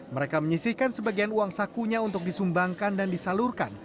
mereka menyisihkan sebagian uang sakunya untuk disumbangkan dan disalurkan